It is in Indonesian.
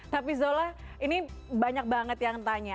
tapi zola ini banyak banget yang tanya